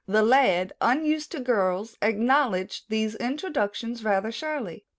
The lad, unused to girls, acknowledged these introductions rather shyly.